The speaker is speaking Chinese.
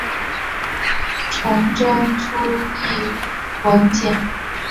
崇祯初谥文简。